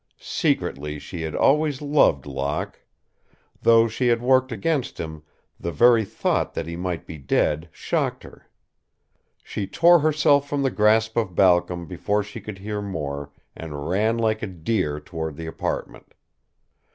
Secretly she had always loved Locke. Though she had worked against him, the very thought that he might be dead shocked her. She tore herself from the grasp of Balcom before she could hear more and ran like a deer toward the apartment.